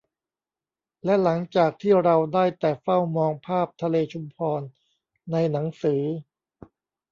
และหลังจากที่เราได้แต่เฝ้ามองภาพทะเลชุมพรในหนังสือ